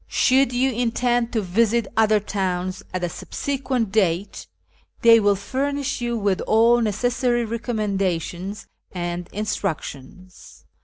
Should you intend to visit other towns at a subsequent date, they will furnish you with all necessary recommendations and instructions.